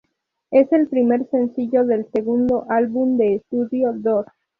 Es el primer sencillo del segundo álbum de estudio "Dos".